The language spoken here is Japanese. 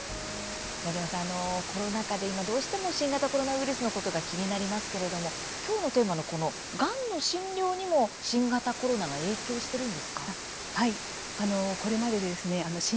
矢島さん、コロナ禍で今どうしても新型コロナウイルスのことが気になりますけれどもきょうのテーマがんの診療にも、新型コロナは影響しているのでしょうか？